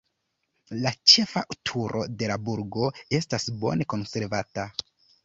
La ĉefa turo de la burgo estas bone konservata.